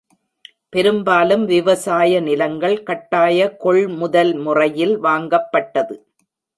பெரும்பாலும் விவசாய நிலங்கள் கட்டாய கொள்முதல் முறையில் வாங்கப்பட்டது.